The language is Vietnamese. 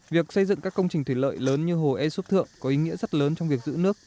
việc xây dựng các công trình thủy lợi lớn như hồ e xúc thượng có ý nghĩa rất lớn trong việc giữ nước